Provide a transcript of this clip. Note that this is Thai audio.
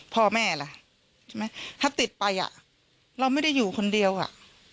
พ่อแม่ล่ะใช่ไหมถ้าติดไปอ่ะเราไม่ได้อยู่คนเดียวอ่ะ